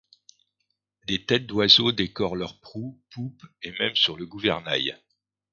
Des têtes d’oiseaux décorent leur proue, poupes et même sur le gouvernail.